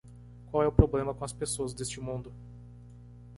qual é o problema com as pessoas deste mundo